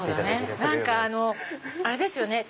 何かあれですよね